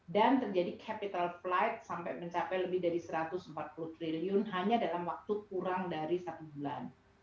dan terjadi capital plight sampai mencapai lebih dari satu ratus empat puluh triliun hanya dalam waktu kurang dari satu bulan